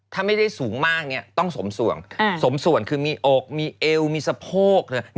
ถ้าไม่ได้สูงมากเนี้ยจะต้องทรมทรวงทรมทรวงคือมีอกมีเอวมีซะโภก